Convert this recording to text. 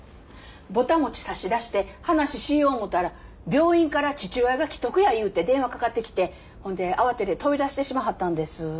ぼた餅差し出して話しよう思たら病院から父親が危篤やいうて電話かかってきてほんで慌てて飛び出してしまはったんです。